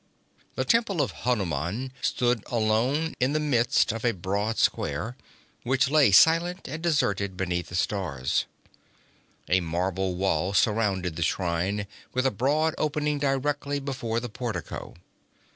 The temple of Hanuman stood alone in the midst of a broad square, which lay silent and deserted beneath the stars. A marble wall surrounded the shrine, with a broad opening directly before the portico.